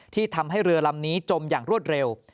ที่ทำให้เรือลำนี้จมอย่างรวดเร็ว